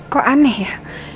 kok aneh ya